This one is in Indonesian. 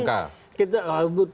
di materi mk